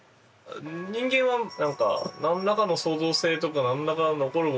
人間は何か何らかの創造性とか何らか残るもの